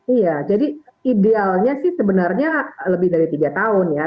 iya jadi idealnya sih sebenarnya lebih dari tiga tahun ya